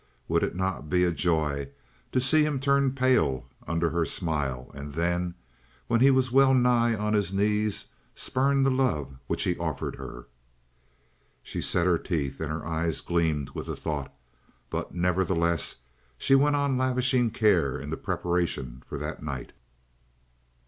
Would it not be a joy to see him turn pale under her smile, and then, when he was well nigh on his knees, spurn the love which he offered her? She set her teeth and her eyes gleamed with the thought. But nevertheless she went on lavishing care in the preparation for that night.